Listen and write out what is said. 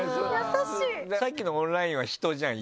さっきのオンラインは人じゃん。